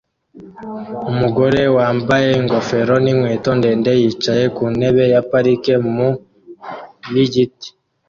Umugore wambaye ingofero n'inkweto ndende yicaye ku ntebe ya parike munsi yigiti